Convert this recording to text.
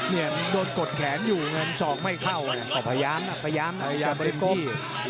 เนี่ยมันโดดกดแขนอยู่ไงมันสอกไม่เข้าอ่ะขอพยายามนะพยายามบริโกฟ